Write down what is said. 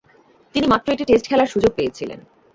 তিনি মাত্র একটি টেস্ট খেলার সুযোগ পেয়েছিলেন।